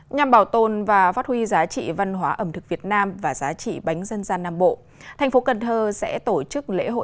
nhằm bảo tồn và phát huy giá trị văn hóa ẩm thực việt nam và giá trị bánh dân gian nam bộ